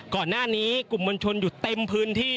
ก่อนหน้านี้กลุ่มมวลชนอยู่เต็มพื้นที่